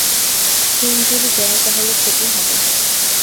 সিম যদি দেয় তাহলে খেতে হবে।